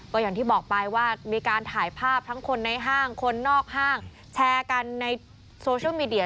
ก็อย่างที่บอกไปว่ามีการถ่ายภาพทั้งคนในห้างคนนอกห้างแชร์กันในโซเชียลมีเดีย